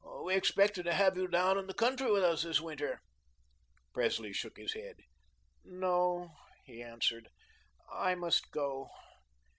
We expected to have you down in the country with us this winter." Presley shook his head. "No," he answered. "I must go.